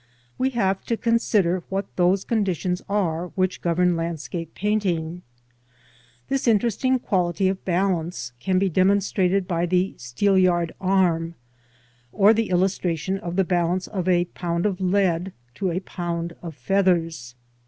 We have to consider what those conditions are which govern landscape painting. This interesting quality of balance can be demonstrated by the steelyard arm, or the illustration of the balance of a pound of Jead Jo^aj)(mnd of feat hers.